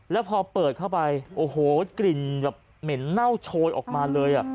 แล้วพอเปิดเข้าไปโอ้โหกลิ่นแบบเหม็นเน่าโชยออกมาเลย